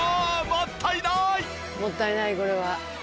もったいないこれは。